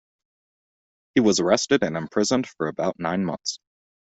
He was arrested and imprisoned for about nine months.